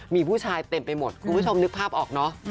มีผู้ชายเต็มไปหมดคุณผู้ชมนึกภาพออกเนอะ